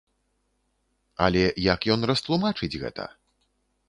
Але як ён растлумачыць гэта?